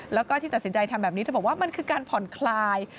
แล้วก็ที่ตัดสินใจทำแบบนี้เธอบอกว่ามันคือการผ่อนคลาย